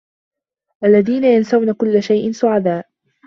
الذين ينسون كل شيء سعداء.